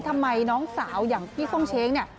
ทำไมน้องสาวอย่างพี่ส้มเช้งเนี่ย